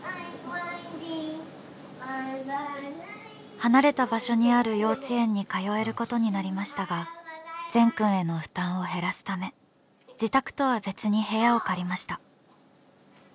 離れた場所にある幼稚園に通えることになりましたが善くんへの負担を減らすため自宅とは別に部屋を借りました。